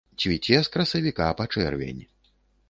Цвіце з красавіка па чэрвень.